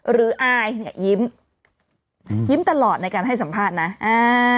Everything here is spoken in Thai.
อายเนี่ยยิ้มยิ้มตลอดในการให้สัมภาษณ์นะอ่า